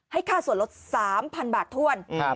ค่าส่วนลด๓๐๐๐บาทถ้วน